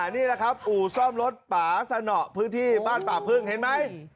นี่แหละครับอู่ซ่อมรถป่าสนอพื้นที่บ้านป่าพึ่งเห็นไหม